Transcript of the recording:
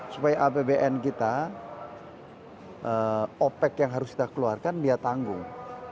supaya apbn kita opec yang harus kita keluarkan dia tanggung